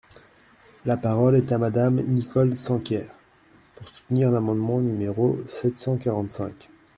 La parole est à Madame Nicole Sanquer, pour soutenir l’amendement numéro sept cent quarante-cinq.